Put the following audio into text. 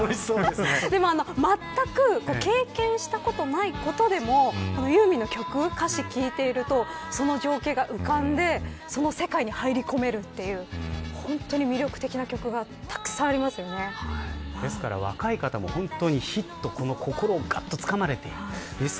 まったく経験したことのないことでもユーミンの曲の歌詞聞いてるとその情景が浮かんでその世界に入り込めるという本当に魅力的な曲が若い方も心をぐっとつかまれています。